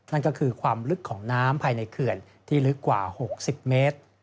นั่นก็คือความลึกของน้ำภายในเขื่อนที่ลึกกว่า๖๐เมตร